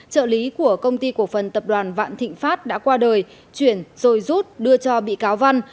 trợ lý của công ty cổ phần tập đoàn vạn thịnh pháp đã qua đời chuyển rồi rút đưa cho bị cáo văn